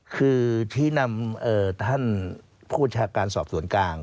คือที่นำท่านผู้บัญชาการสอบสวนกลาง